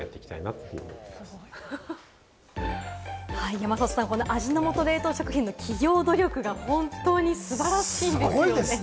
山里さん、この味の素冷凍食品の企業努力が本当に素晴らしい。